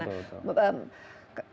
kalau kita kan semakin lama semakin tenggelam